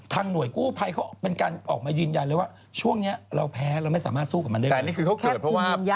หน่วยกู้ภัยเขาเป็นการออกมายืนยันเลยว่าช่วงนี้เราแพ้เราไม่สามารถสู้กับมันได้